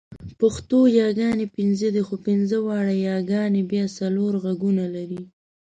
پښتو یاګانې پنځه دي، خو پنځه واړه یاګانې بیا څلور غږونه لري.